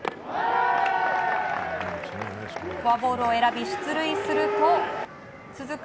フォアボールを選び出塁すると続く